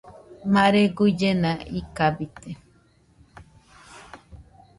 Mare guillena ikabite.